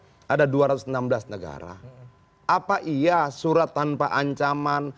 apa iya surat tanpa ancaman dengan tutur kata yang intelek dan berbicara tentang kebenaran